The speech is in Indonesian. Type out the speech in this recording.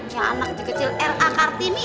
ya anak kecil r a kartini